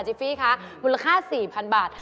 ฟี่คะมูลค่า๔๐๐๐บาท